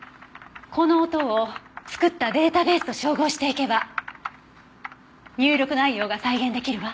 この音を作ったデータベースと照合していけば入力内容が再現出来るわ。